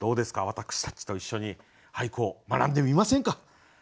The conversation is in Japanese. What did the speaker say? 私たちと一緒に俳句を学んでみませんか。